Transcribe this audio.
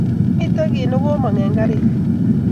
Mito kiy ne ko mang eng garinyu